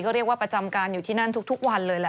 ก็เรียกว่าประจำการอยู่ที่นั่นทุกวันเลยแหละ